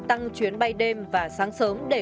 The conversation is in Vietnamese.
tăng chuyến bay đêm và sáng sớm để